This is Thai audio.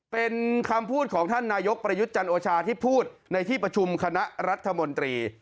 เป็นคำพูดของท่านนายกประยุทธ์จันโอชาที่พูดในที่ประชุมคณะรัฐมนตรี